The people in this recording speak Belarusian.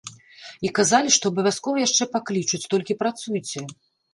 І казалі, што абавязкова яшчэ паклічуць, толькі працуйце.